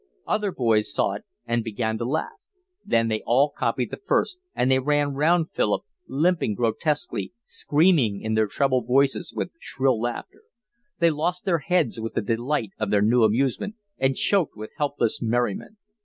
Other boys saw it and began to laugh; then they all copied the first; and they ran round Philip, limping grotesquely, screaming in their treble voices with shrill laughter. They lost their heads with the delight of their new amusement, and choked with helpless merriment.